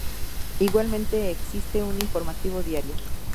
Igualmente existe un informativo diario.